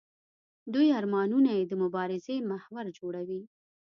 دوی ارمانونه یې د مبارزې محور جوړوي.